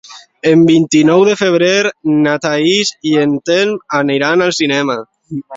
El vint-i-nou de febrer na Thaís i en Telm aniran al cinema.